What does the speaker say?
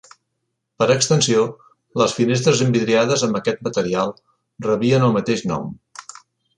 Per extensió, les finestres envidriades amb aquest material rebien el mateix nom.